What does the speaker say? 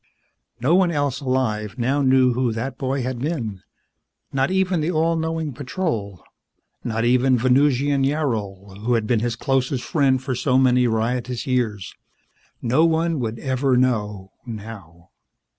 No one else alive now knew who that boy had been. Not even the all knowing Patrol. Not even Venusian Yarol, who had been his closest friend for so many riotous years. No one would ever know now.